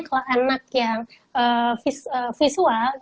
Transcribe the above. kalau anak yang visual